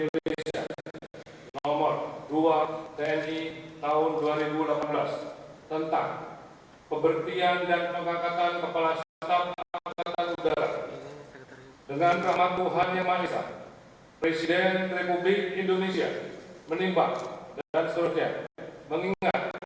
lalu kebangsaan indonesia baik